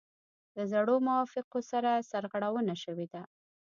د زړو موافقو څخه سرغړونه شوې ده.